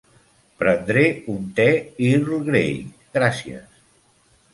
Prendré un te Earl Grey, gràcies.